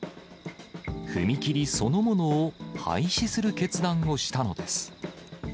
踏切そのものを廃止する決断をしたのです。